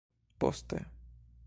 poste